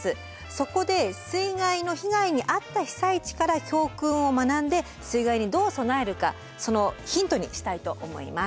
そこで水害の被害に遭った被災地から教訓を学んで水害にどう備えるかそのヒントにしたいと思います。